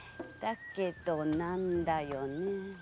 だけど何だよね